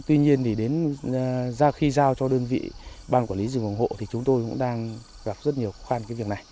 tuy nhiên thì đến khi giao cho đơn vị ban quản lý rừng phòng hộ thì chúng tôi cũng đang gặp rất nhiều khó khăn cái việc này